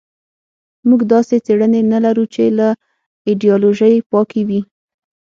موږ داسې څېړنې نه لرو چې له ایدیالوژۍ پاکې وي.